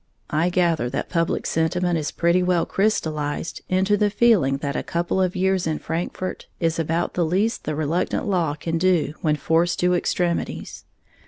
I gather that public sentiment is pretty well crystallized into the feeling that a couple of years in Frankfort is about the least the reluctant law can do when forced to extremities.